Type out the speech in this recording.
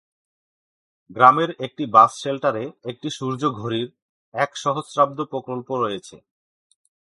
গ্রামের একটি বাস শেল্টারে একটি সূর্যঘড়ির এক সহস্রাব্দ প্রকল্প রয়েছে।